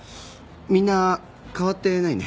みんな変わってないね。